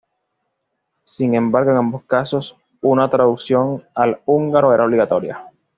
Sin embargo, en ambos casos una traducción al húngaro era obligatoria.